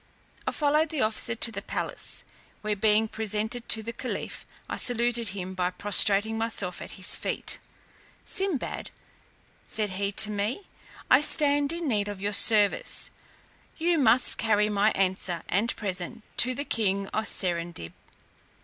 I followed the officer to the palace, where being presented to the caliph, I saluted him by prostrating myself at his feet. "Sinbad," said he to me, "I stand in need of your service; you must carry my answer and present to the king of Serendib.